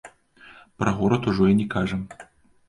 Пра горад ужо і не кажам.